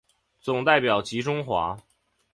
总代表吉钟华。